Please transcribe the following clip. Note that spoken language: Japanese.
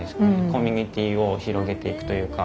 コミュニティーを広げていくというか。